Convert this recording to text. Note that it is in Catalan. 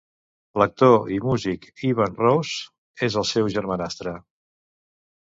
L'actor i músic Evan Ross és el seu germanastre.